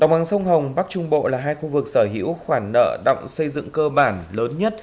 bằng sông hồng bắc trung bộ là hai khu vực sở hữu khoản nợ động xây dựng cơ bản lớn nhất